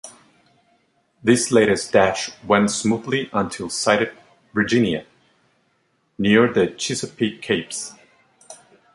This latest dash went smoothly until sighted "Virginia" near the Chesapeake capes.